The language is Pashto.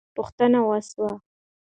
پوښتنه وسوه.